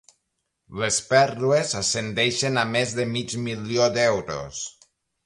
Les pèrdues ascendeixen a més de mig milió d'euros.